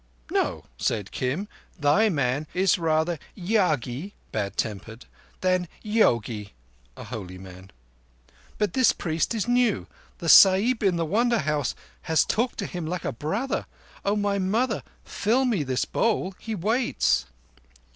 "No," said Kim. "Thy man is rather yagi (bad tempered) than yogi (a holy man). But this priest is new. The Sahib in the Wonder House has talked to him like a brother. O my mother, fill me this bowl. He waits."